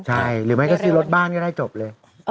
ใช่หรือไม่ก็ซื้อรถบ้านก็ได้จบเลย